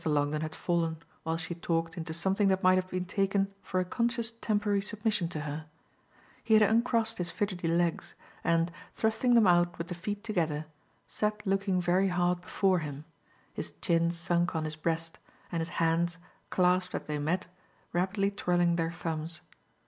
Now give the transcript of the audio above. Longdon had fallen while she talked into something that might have been taken for a conscious temporary submission to her; he had uncrossed his fidgety legs and, thrusting them out with the feet together, sat looking very hard before him, his chin sunk on his breast and his hands, clasped as they met, rapidly twirling their thumbs.